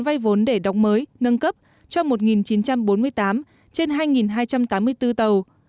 vay vốn để đóng mới nâng cấp cho một chín trăm bốn mươi tám trên hai hai trăm tám mươi bốn tàu